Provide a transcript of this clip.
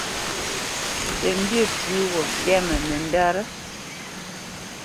Tə mbî pʉ̌ gho tɛ́mə nəndət?